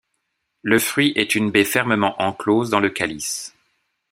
Le fruit est une baie fermement enclose dans le calice.